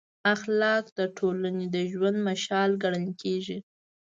اخلاق د ټولنې د ژوند مشال ګڼل کېږي.